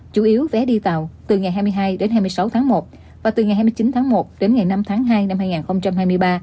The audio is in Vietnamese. chủ yếu vé đi tàu từ ngày hai mươi hai đến hai mươi sáu tháng một và từ ngày hai mươi chín tháng một đến ngày năm tháng hai năm hai nghìn hai mươi ba